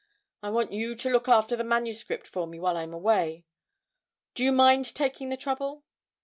I want you to look after the manuscript for me while I'm away. Do you mind taking the trouble?'